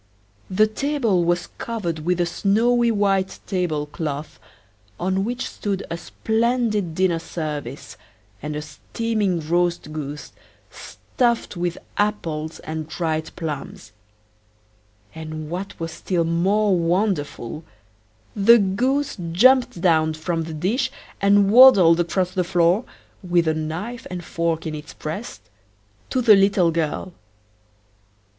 The table was covered with a snowy white table cloth, on which stood a splendid dinner service, and a steaming roast goose, stuffed with apples and dried plums. And what was still more wonderful, the goose jumped down from the dish and waddled across the floor, with a knife and fork in its breast, to the little girl.